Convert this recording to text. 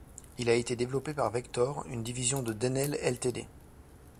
Il a été développé par Vektor, une division de Denel Ltd.